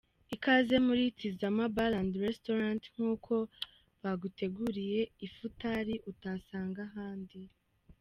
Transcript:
Ikaze muri Tizama Bar &Restaurant, kuko baguteguriye ifutari utasanga ahandi.